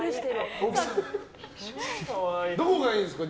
どこがいいんですか？